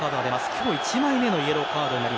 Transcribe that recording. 今日１枚目のイエローカード。